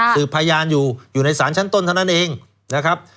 พยานอยู่อยู่ในสารชั้นต้นเท่านั้นเองนะครับ